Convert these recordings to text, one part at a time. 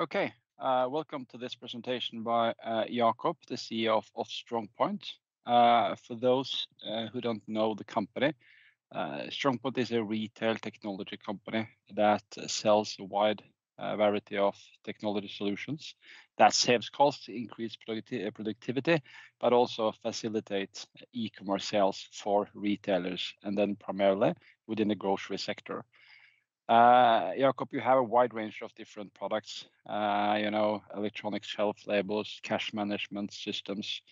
Okay, welcome to this presentation by Jacob, the CEO of StrongPoint. For those who don't know the company, StrongPoint is a retail technology company that sells a wide variety of technology solutions that saves costs, increase productivity, but also facilitates e-commerce sales for retailers, and then primarily within the grocery sector. Jacob, you have a wide range of different products, you know, electronic shelf labels, cash management systems,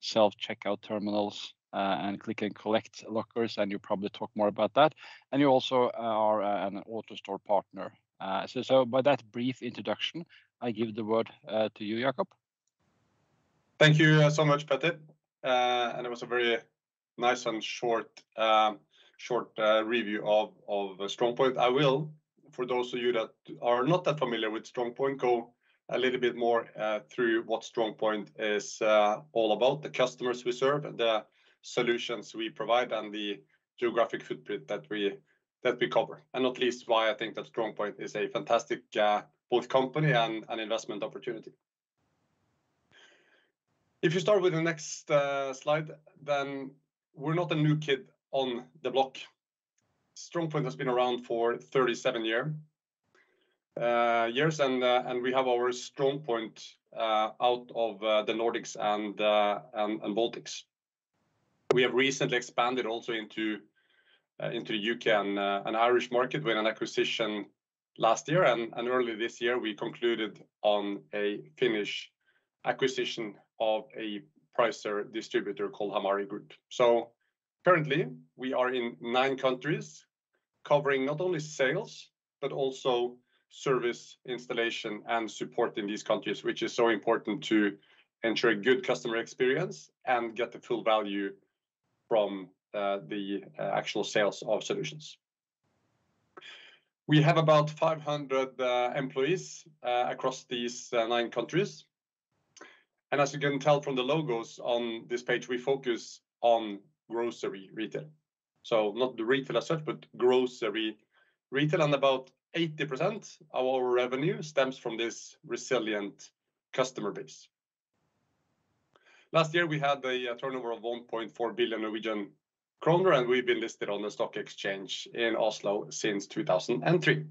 self-checkout terminals, and Click and Collect lockers, and you'll probably talk more about that. And you also are an AutoStore partner. So, by that brief introduction, I give the word to you, Jacob. Thank you, so much, Petter. It was a very nice and short review of StrongPoint. I will, for those of you that are not that familiar with StrongPoint, go a little bit more through what StrongPoint is all about, the customers we serve, the solutions we provide, and the geographic footprint that we cover, and not least, why I think that StrongPoint is a fantastic both company and an investment opportunity. If you start with the next slide, then we're not a new kid on the block. StrongPoint has been around for 37 years, and we have our StrongPoint out of the Nordics and Baltics. We have recently expanded also into, into UK and, and Irish market with an acquisition last year, and, and early this year, we concluded on a Finnish acquisition of a Pricer distributor called Hamari Group. So currently, we are in nine countries, covering not only sales, but also service, installation, and support in these countries, which is so important to ensure a good customer experience and get the full value from, the, actual sales of solutions. We have about 500, employees, across these, nine countries, and as you can tell from the logos on this page, we focus on grocery retail. So not the retail as such, but grocery retail, and about 80% of our revenue stems from this resilient customer base. Last year, we had a turnover of 1.4 billion Norwegian kroner, and we've been listed on the stock exchange in Oslo since 2003.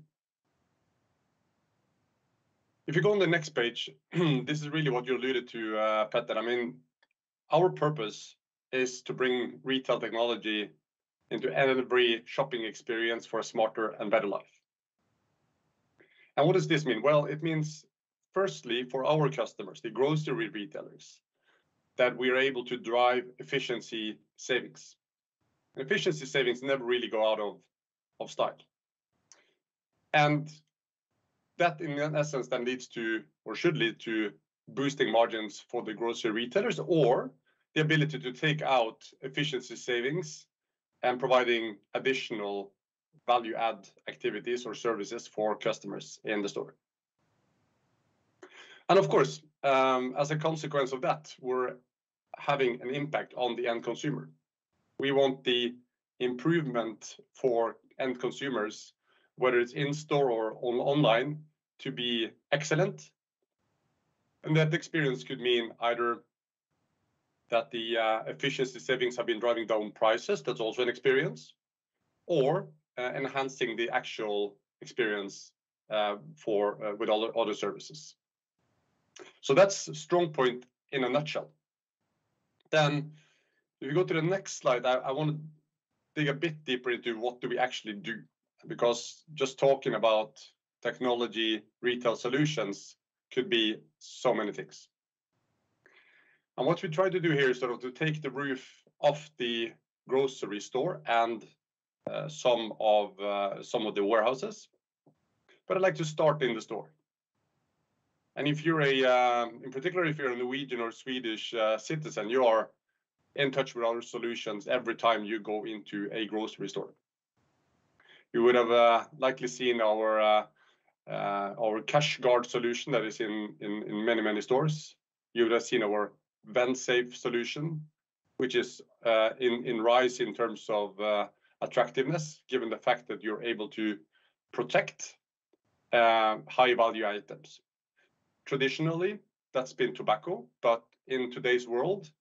If you go on the next page, this is really what you alluded to, Petter. I mean, our purpose is to bring retail technology into every shopping experience for a smarter and better life. And what does this mean? Well, it means, firstly, for our customers, the grocery retailers, that we're able to drive efficiency savings. Efficiency savings never really go out of style. And that, in essence, then leads to or should lead to boosting margins for the grocery retailers, or the ability to take out efficiency savings and providing additional value-add activities or services for customers in the store. And of course, as a consequence of that, we're having an impact on the end consumer. We want the improvement for end consumers, whether it's in-store or online, to be excellent, and that experience could mean either that the efficiency savings have been driving down prices, that's also an experience, or enhancing the actual experience for with other services. So that's StrongPoint in a nutshell. Then if you go to the next slide, I wanna dig a bit deeper into what do we actually do, because just talking about technology, retail solutions could be so many things. And what we try to do here is sort of to take the roof off the grocery store and some of the warehouses, but I'd like to start in the store. And if you're in particular a Norwegian or Swedish citizen, you are in touch with our solutions every time you go into a grocery store. You would have likely seen our CashGuard solution that is in many stores. You would have seen our Vensafe solution, which is on the rise in terms of attractiveness, given the fact that you're able to protect high-value items. Traditionally, that's been tobacco, but in today's world,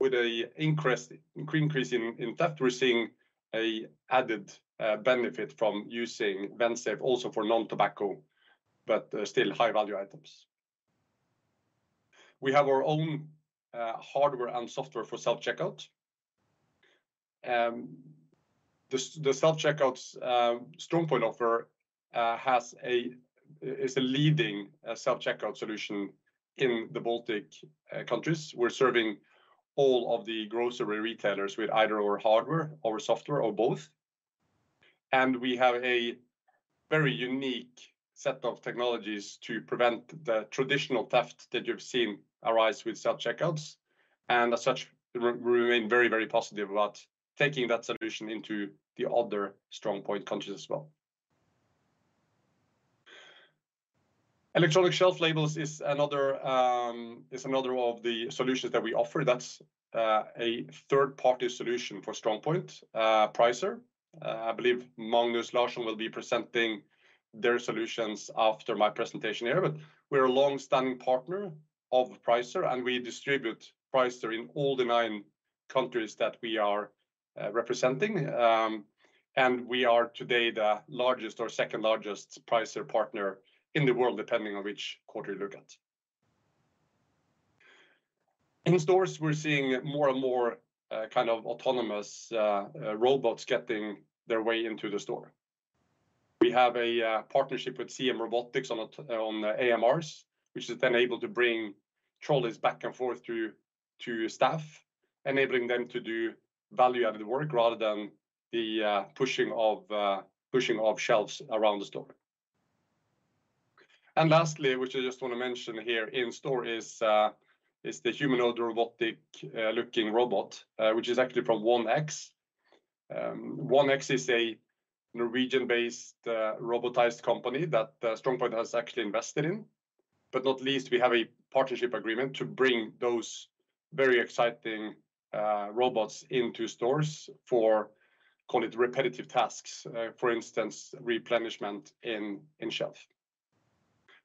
with an increase in theft, we're seeing an added benefit from using Vensafe also for non-tobacco, but still high-value items. We have our own hardware and software for self-checkout. The self-checkouts StrongPoint offers is a leading self-checkout solution in the Baltic countries. We're serving all of the grocery retailers with either our hardware or software or both, and we have a very unique set of technologies to prevent the traditional theft that you've seen arise with self-checkouts, and as such, we're very positive about taking that solution into the other StrongPoint countries as well. Electronic shelf labels is another of the solutions that we offer. That's a third-party solution for StrongPoint, Pricer. I believe Magnus Larsson will be presenting their solutions after my presentation here. But we're a long-standing partner of Pricer, and we distribute Pricer in all the nine countries that we are representing. And we are today the largest or second largest Pricer partner in the world, depending on which quarter you look at. In stores, we're seeing more and more, kind of autonomous, robots getting their way into the store. We have a partnership with Coalescent Mobile Robotics on AMRs, which is then able to bring trolleys back and forth through to staff, enabling them to do value-added work, rather than the pushing of shelves around the store. And lastly, which I just wanna mention here in store is the humanoid robotic looking robot, which is actually from 1X. 1X is a Norwegian-based robotized company that StrongPoint has actually invested in. But not least, we have a partnership agreement to bring those very exciting robots into stores for, call it repetitive tasks, for instance, replenishment in shelf.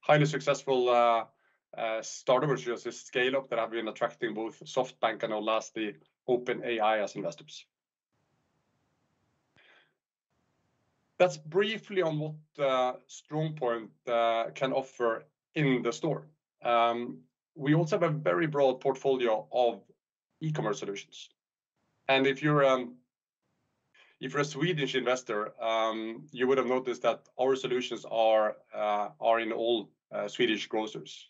Highly successful startup, which is a scale-up that have been attracting both SoftBank and lastly, OpenAI as investors. That's briefly on what StrongPoint can offer in the store. We also have a very broad portfolio of e-commerce solutions, and if you're a Swedish investor, you would have noticed that our solutions are in all Swedish grocers.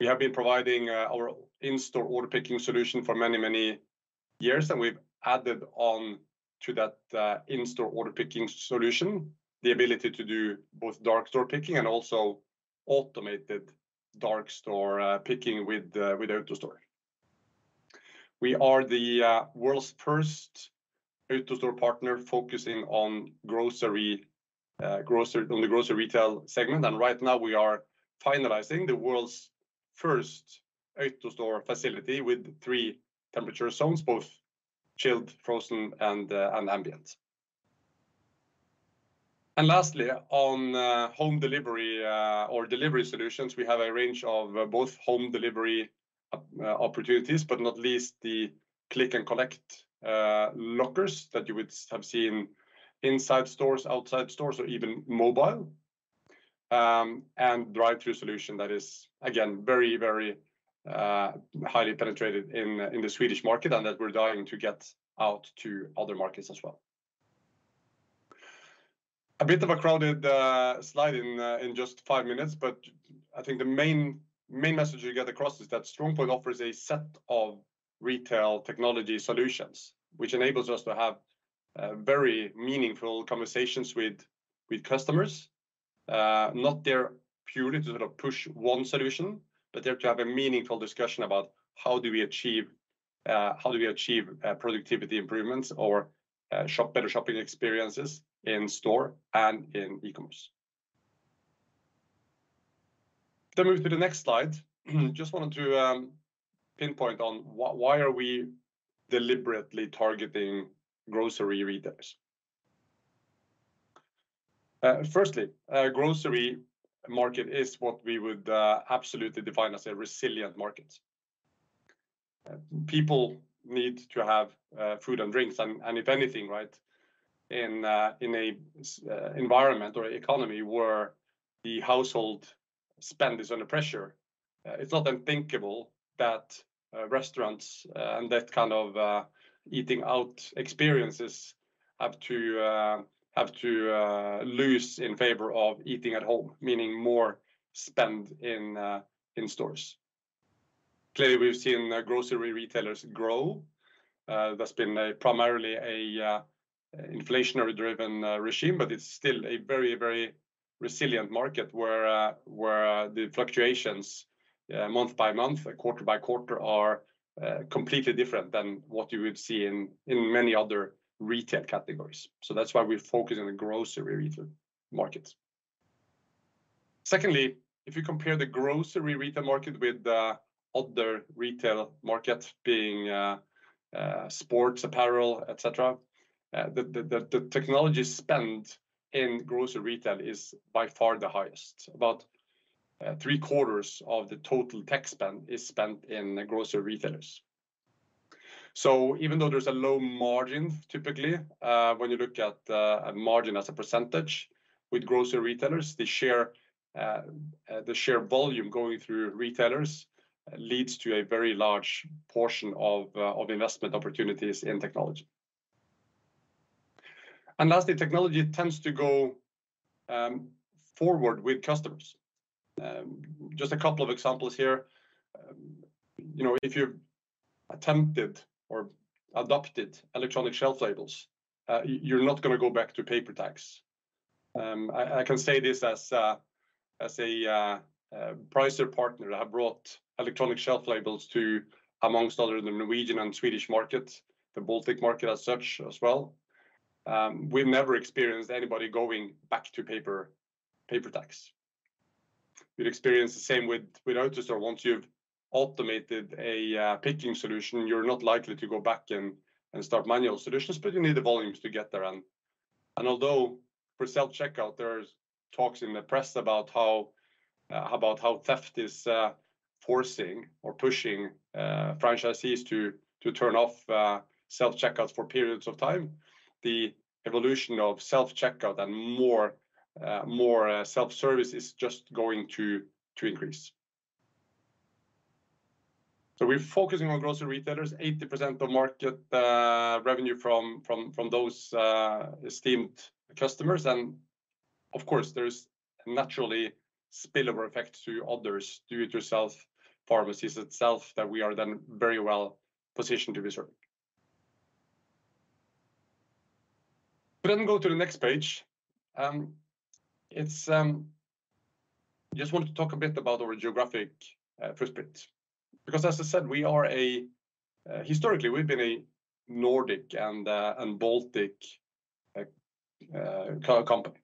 We have been providing our in-store order picking solution for many, many years, and we've added on to that in-store order picking solution, the ability to do both dark store picking and also automated dark store picking with AutoStore. We are the world's first AutoStore partner focusing on grocery on the grocery retail segment, and right now we are finalizing the world's first AutoStore facility with three temperature zones, both chilled, frozen, and ambient. And lastly, on home delivery or delivery solutions, we have a range of both home delivery opportunities, but not least the Click and Collect lockers that you would have seen inside stores, outside stores, or even mobile. And drive-through solution that is, again, very, very highly penetrated in the Swedish market, and that we're dying to get out to other markets as well. A bit of a crowded slide in just five minutes, but I think the main, main message you get across is that StrongPoint offers a set of retail technology solutions, which enables us to have very meaningful conversations with, with customers. Not there purely to sort of push one solution, but there to have a meaningful discussion about how do we achieve productivity improvements or better shopping experiences in store and in e-commerce? Then move to the next slide. Mm-hmm, just wanted to pinpoint on why are we deliberately targeting grocery retailers? Firstly, grocery market is what we would absolutely define as a resilient market. People need to have food and drinks and, and if anything, right? In an environment or economy where the household spend is under pressure, it's not unthinkable that restaurants and that kind of eating-out experiences have to have to lose in favor of eating at home, meaning more spend in in stores. Clearly, we've seen grocery retailers grow. That's been a primarily a inflationary-driven regime, but it's still a very, very resilient market where where the fluctuations month by month, quarter by quarter, are completely different than what you would see in in many other retail categories. So that's why we focus on the grocery retail market. Secondly, if you compare the grocery retail market with the other retail market, being sports apparel, et cetera, the the the the technology spent in grocery retail is by far the highest. About three-quarters of the total tech spend is spent in grocery retailers. So even though there's a low margin, typically, when you look at a margin as a percentage with grocery retailers, the share volume going through retailers leads to a very large portion of investment opportunities in technology. And lastly, technology tends to go forward with customers. Just a couple of examples here. You know, if you've attempted or adopted electronic shelf labels, you're not gonna go back to paper tags. I can say this as a Pricer partner. I have brought electronic shelf labels to, amongst other, the Norwegian and Swedish market, the Baltic market as such as well. We've never experienced anybody going back to paper tags. We've experienced the same with AutoStore. Once you've automated a picking solution, you're not likely to go back and start manual solutions, but you need the volumes to get there. And although for self-checkout, there's talks in the press about how theft is forcing or pushing franchisees to turn off self-checkouts for periods of time, the evolution of self-checkout and more self-service is just going to increase. So we're focusing on grocery retailers, 80% of market revenue from those esteemed customers. And of course, there's naturally spillover effect to others, do-it-yourself pharmacies itself that we are then very well positioned to be serving. But then go to the next page. It's just want to talk a bit about our geographic footprint, because as I said, we are a historically, we've been a Nordic and Baltic company.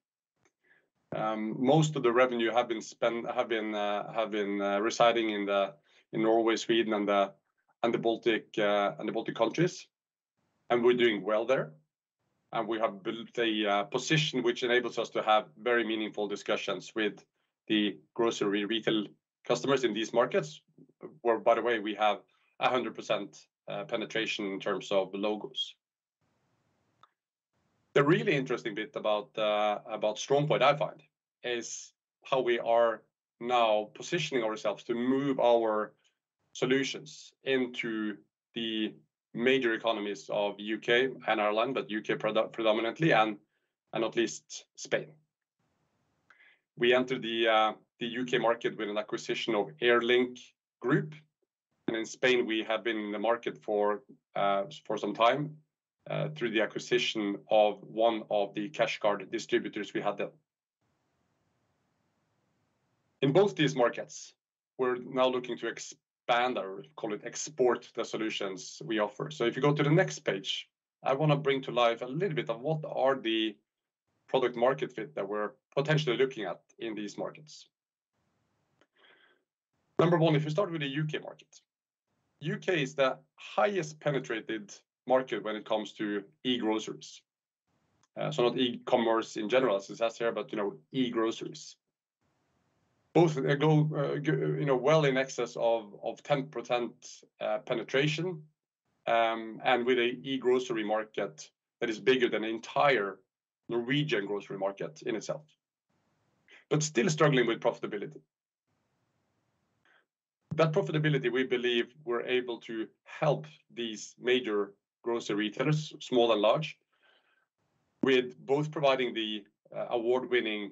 Most of the revenue have been residing in Norway, Sweden, and the Baltic countries, and we're doing well there. We have built a position which enables us to have very meaningful discussions with the grocery retail customers in these markets, where, by the way, we have 100% penetration in terms of logos. The really interesting bit about StrongPoint I find is how we are now positioning ourselves to move our solutions into the major economies of U.K. and Ireland, but U.K. predominantly, and not least Spain. We entered the U.K. market with an acquisition of Air Link Group, and in Spain, we have been in the market for some time through the acquisition of one of the CashGuard distributors we had there. In both these markets, we're now looking to expand or call it export the solutions we offer. So if you go to the next page, I wanna bring to life a little bit of what are the product market fit that we're potentially looking at in these markets. Number one, if you start with the U.K. market. U.K. is the highest penetrated market when it comes to e-grocers. So not e-commerce in general, since that's here, but, you know, e-grocers. Both go, you know, well in excess of 10% penetration, and with a e-grocery market that is bigger than the entire Norwegian grocery market in itself, but still struggling with profitability. That profitability, we believe, we're able to help these major grocery retailers, small and large, with both providing the award-winning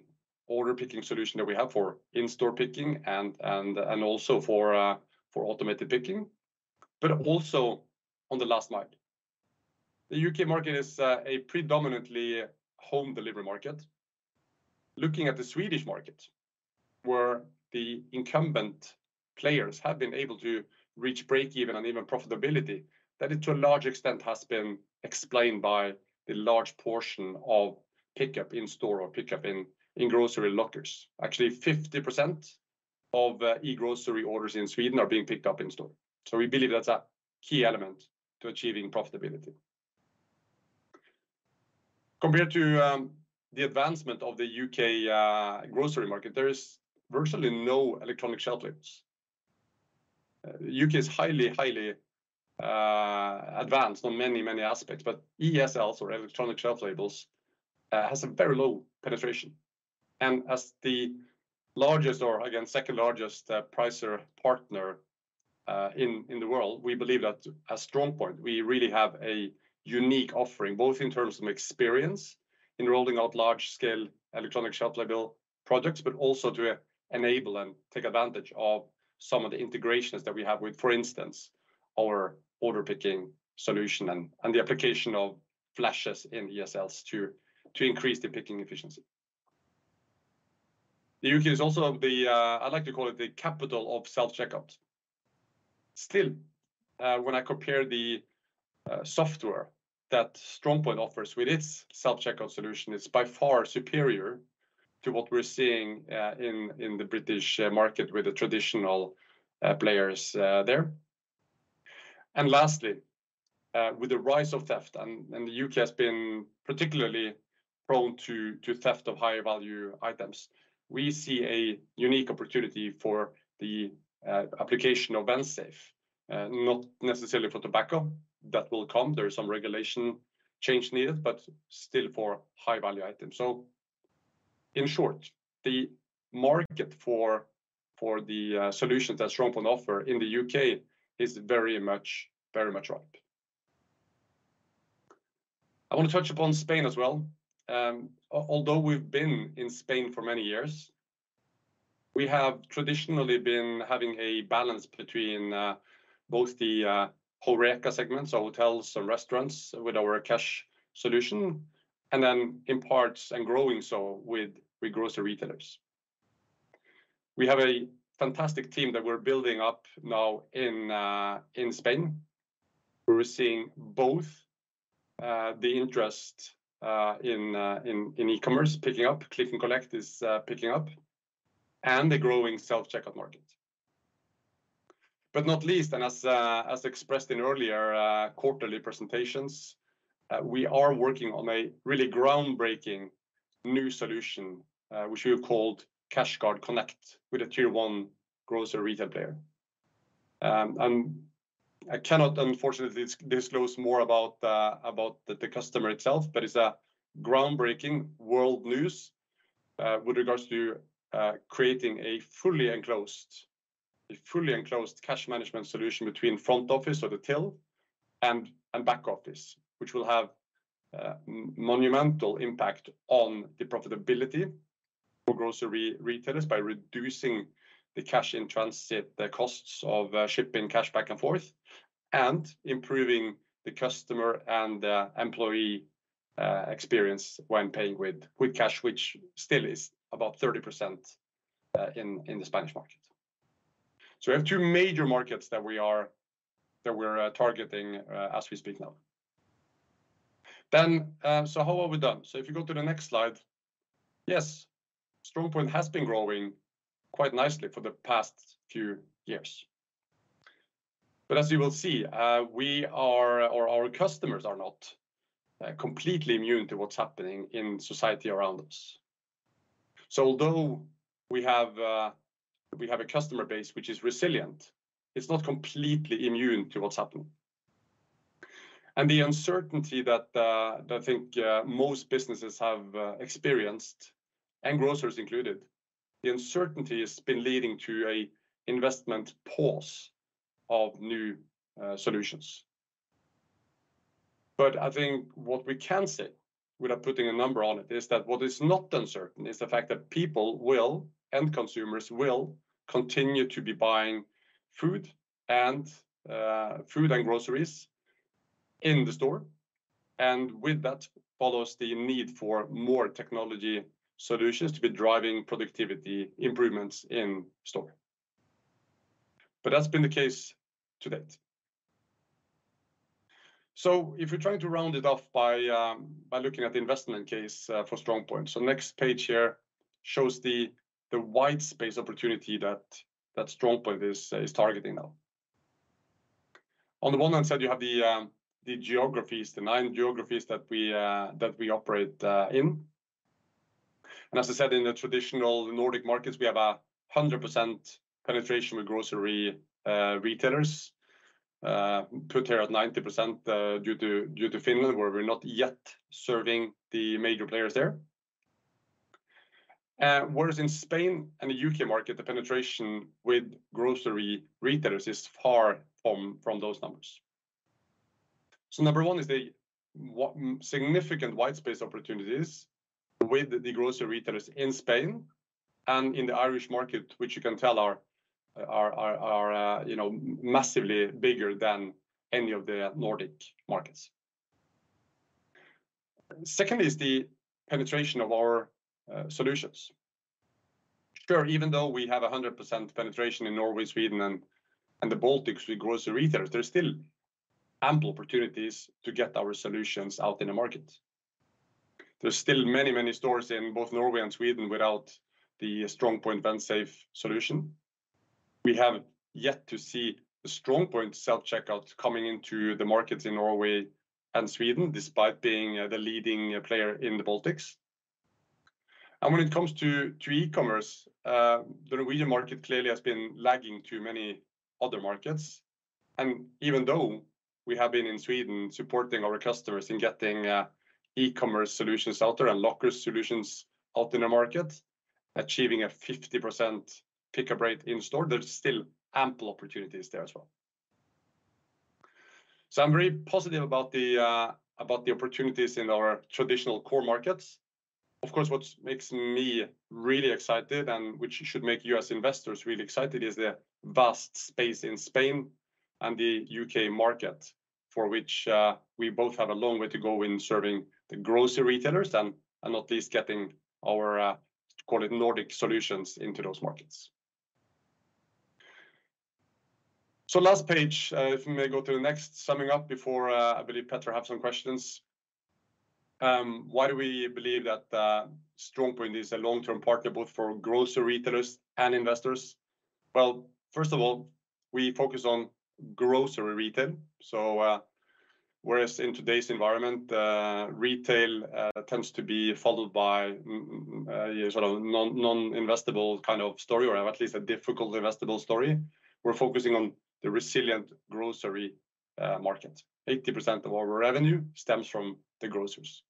order picking solution that we have for in-store picking and, and, and also for automated picking, but also on the last mile. The U.K. market is a predominantly home delivery market. Looking at the Swedish market, where the incumbent players have been able to reach break-even and even profitability, that to a large extent has been explained by the large portion of pickup in-store or pickup in grocery lockers. Actually, 50% of e-grocery orders in Sweden are being picked up in store. So we believe that's a key element to achieving profitability. Compared to the advancement of the UK grocery market, there is virtually no electronic shelf labels. UK is highly, highly advanced on many, many aspects, but ESLs, or electronic shelf labels, has a very low penetration. And as the largest, or again, second largest Pricer partner in the world, we believe that at StrongPoint, we really have a unique offering, both in terms of experience in rolling out large-scale electronic shelf label projects, but also to enable and take advantage of some of the integrations that we have with, for instance, our order picking solution and the application of flashes in ESLs to increase the picking efficiency. The UK is also the, I'd like to call it the capital of self-checkouts. Still, when I compare the software that StrongPoint offers with its self-checkout solution, it's by far superior to what we're seeing in the British market with the traditional players there. Lastly, with the rise of theft, and the U.K. has been particularly prone to theft of higher value items, we see a unique opportunity for the application of VensaFe, not necessarily for tobacco. That will come; there is some regulation change needed, but still for high-value items. So in short, the market for the solutions that StrongPoint offer in the U.K. is very much ripe. I want to touch upon Spain as well. Although we've been in Spain for many years, we have traditionally been having a balance between both the Horeca segments, so hotels and restaurants with our cash solution, and then in parts and growing so with grocery retailers. We have a fantastic team that we're building up now in Spain, where we're seeing both the interest in e-commerce picking up, Click and Collect is picking up, and the growing self-checkout market. But not least, and as expressed in earlier quarterly presentations, we are working on a really groundbreaking new solution, which we have called CashGuard Connect, with a tier one grocery retail player. And I cannot, unfortunately, disclose more about the customer itself, but it's a groundbreaking world news with regards to creating a fully enclosed cash management solution between front office or the till and back office, which will have monumental impact on the profitability for grocery retailers by reducing the cash in transit, the costs of shipping cash back and forth, and improving the customer and the employee experience when paying with cash, which still is about 30% in the Spanish market. So we have two major markets that we're targeting as we speak now. Then, so how have we done? So if you go to the next slide, yes, StrongPoint has been growing quite nicely for the past few years. But as you will see, we are, or our customers are not completely immune to what's happening in society around us. So although we have, we have a customer base which is resilient, it's not completely immune to what's happening. And the uncertainty that that I think most businesses have experienced, and grocers included, the uncertainty has been leading to a investment pause of new solutions. But I think what we can say, without putting a number on it, is that what is not uncertain is the fact that people will, and consumers will, continue to be buying food and food and groceries in the store, and with that follows the need for more technology solutions to be driving productivity improvements in store. But that's been the case to date. So if you're trying to round it off by looking at the investment case for StrongPoint, next page here shows the wide space opportunity that StrongPoint is targeting now. On the one hand side, you have the geographies, the nine geographies that we operate in. And as I said, in the traditional Nordic markets, we have 100% penetration with grocery retailers. Put here at 90%, due to Finland, where we're not yet serving the major players there. Whereas in Spain and the UK market, the penetration with grocery retailers is far from those numbers. So number one is the significant white space opportunities with the grocery retailers in Spain and in the Irish market, which you can tell are, you know, massively bigger than any of the Nordic markets. Second is the penetration of our solutions. Sure, even though we have 100% penetration in Norway, Sweden, and the Baltics with grocery retailers, there's still ample opportunities to get our solutions out in the market. There's still many, many stores in both Norway and Sweden without the StrongPoint VensaFe solution. We have yet to see the StrongPoint self-checkout coming into the markets in Norway and Sweden, despite being the leading player in the Baltics. And when it comes to e-commerce, the Norwegian market clearly has been lagging to many other markets. Even though we have been in Sweden supporting our customers in getting, e-commerce solutions out there and locker solutions out in the market, achieving a 50% pickup rate in store, there's still ample opportunities there as well. I'm very positive about the, about the opportunities in our traditional core markets. Of course, what makes me really excited, and which should make you as investors really excited, is the vast space in Spain and the U.K. market, for which, we both have a long way to go in serving the grocery retailers and, and at least getting our, call it Nordic solutions into those markets. Last page, if we may go to the next, summing up before, I believe Petter have some questions. Why do we believe that, StrongPoint is a long-term partner both for grocery retailers and investors? Well, first of all, we focus on grocery retail. So, whereas in today's environment, retail tends to be followed by sort of non-investable kind of story or at least a difficult investable story, we're focusing on the resilient grocery market. 80% of our revenue stems from the grocers.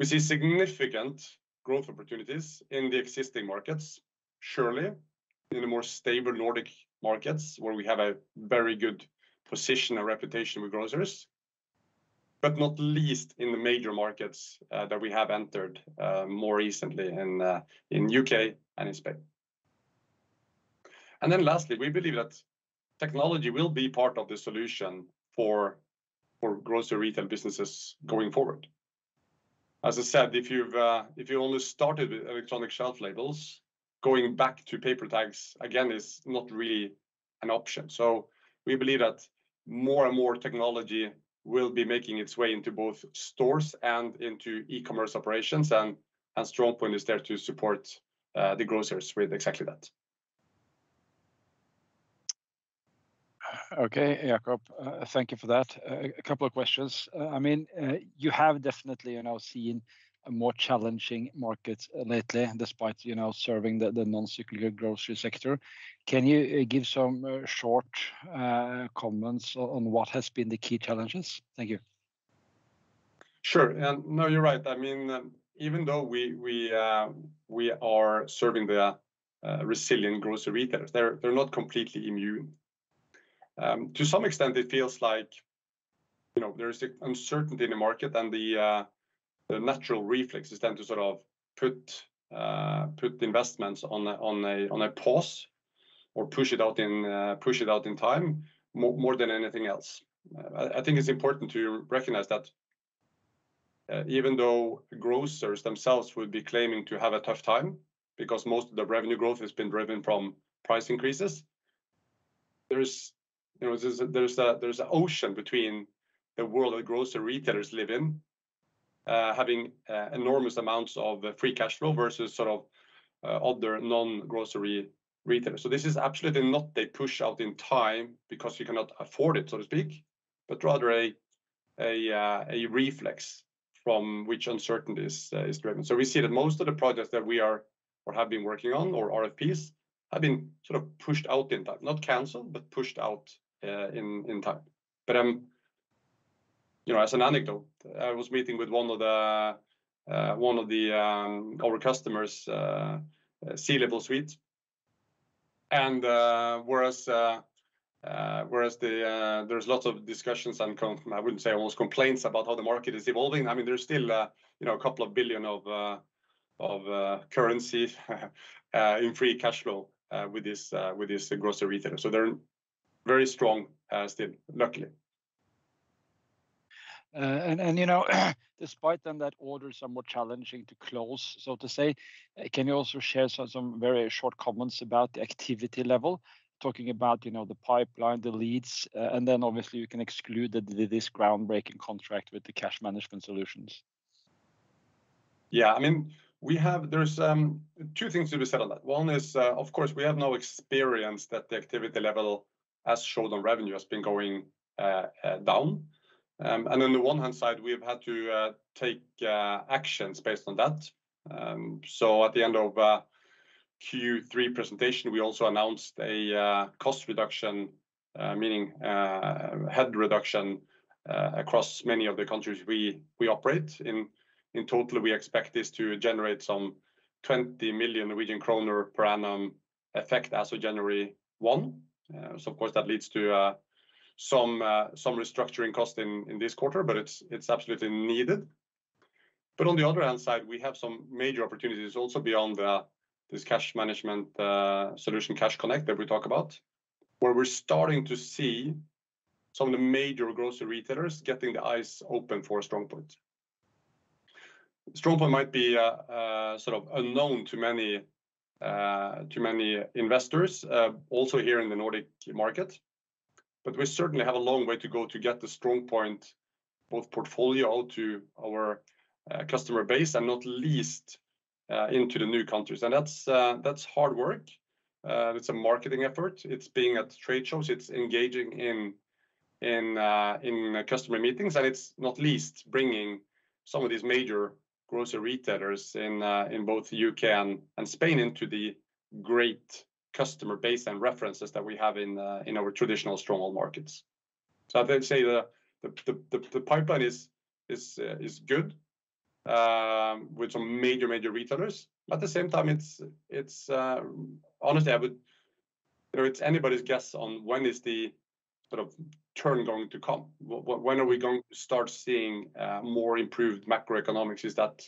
We see significant growth opportunities in the existing markets, surely in the more stable Nordic markets, where we have a very good position and reputation with grocers, but not least in the major markets that we have entered more recently in UK and in Spain. And then lastly, we believe that technology will be part of the solution for grocery retail businesses going forward. As I said, if you've, if you only started with electronic shelf labels, going back to paper tags again is not really an option. So we believe that more and more technology will be making its way into both stores and into e-commerce operations, and StrongPoint is there to support the grocers with exactly that. Okay, Jacob, thank you for that. A couple of questions. I mean, you have definitely, you know, seen a more challenging market lately, despite, you know, serving the non-cyclical grocery sector. Can you give some short comments on what has been the key challenges? Thank you. Sure. And no, you're right. I mean, even though we are serving the resilient grocery retailers, they're not completely immune. To some extent it feels like, you know, there is a uncertainty in the market and the natural reflex is then to sort of put the investments on a pause or push it out in time, more than anything else. I think it's important to recognize that, even though grocers themselves would be claiming to have a tough time, because most of the revenue growth has been driven from price increases, there's, you know, there's an ocean between the world the grocery retailers live in, having enormous amounts of free cash flow versus sort of other non-grocery retailers. So this is absolutely not a push-out in time because you cannot afford it, so to speak, but rather a reflex from which uncertainty is driven. So we see that most of the projects that we are or have been working on or RFPs have been sort of pushed out in time, not canceled, but pushed out in time. But you know, as an anecdote, I was meeting with one of our customers' C-level suites. Whereas the... There's lots of discussions and com—I wouldn't say almost complaints about how the market is evolving. I mean, there's still, you know, a couple of billion NOK of currency in free cash flow with this grocery retailer. So they're very strong, still, luckily. And you know, despite then that orders are more challenging to close, so to say, can you also share some very short comments about the activity level, talking about, you know, the pipeline, the leads? And then obviously you can exclude this groundbreaking contract with the cash management solutions. Yeah, I mean, we have, there's two things to be said on that. One is, of course, we have no experience that the activity level has showed on revenue, has been going down. And on the one hand side, we have had to take actions based on that. So at the end of Q3 presentation, we also announced a cost reduction, meaning head reduction, across many of the countries we operate. In total, we expect this to generate some 20 million Norwegian kroner per annum effect as of January 1. So of course, that leads to some restructuring cost in this quarter, but it's absolutely needed. On the other hand side, we have some major opportunities also beyond this cash management solution, CashGuard Connect, that we talk about, where we're starting to see some of the major grocery retailers getting the eyes open for StrongPoint. StrongPoint might be sort of unknown to many investors also here in the Nordic market. But we certainly have a long way to go to get the StrongPoint portfolio to our customer base, and not least, into the new countries. And that's hard work. It's a marketing effort. It's being at trade shows, it's engaging in, in, in customer meetings, and it's not least, bringing some of these major grocery retailers in, in both UK and, and Spain into the great customer base and references that we have in, in our traditional stronghold markets. So I'd say the, the, the, the pipeline is, is, is good, with some major, major retailers. At the same time, it's, honestly, I would- you know, it's anybody's guess on when is the sort of turn going to come? When are we going to start seeing, more improved macroeconomics? Is that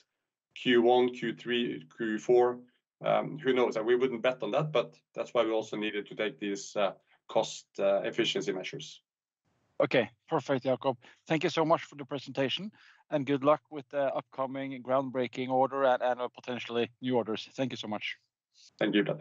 Q1, Q3, Q4? Who knows? And we wouldn't bet on that, but that's why we also needed to take these, cost, efficiency measures. Okay, perfect, Jacob. Thank you so much for the presentation, and good luck with the upcoming groundbreaking order and potentially new orders. Thank you so much. Thank you, Dan.